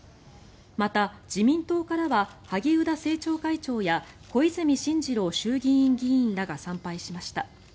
また、自民党からは萩生田政調会長や小泉進次郎衆議院議員らが参拝しました。